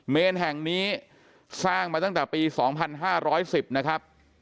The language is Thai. เนรแห่งนี้สร้างมาตั้งแต่ปี๒๕๑๐นะครับ